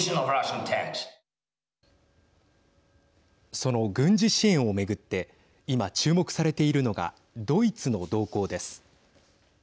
その軍事支援を巡って今、注目されているのがドイツの動向です。